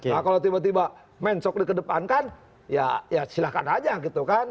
nah kalau tiba tiba mensok di kedepan kan ya silahkan aja gitu kan